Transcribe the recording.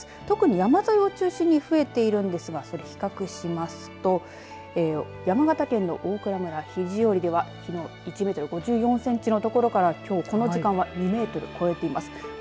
特に山沿いを中心に増えているんですが比較しますと山形県の大蔵村肘折では１メートル５４センチのところこの時間は２メートルを超えています。